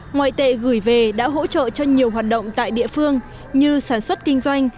ngoại tệ gửi về đã hỗ trợ cho nhiều hoạt động tại địa phương như sản xuất kinh doanh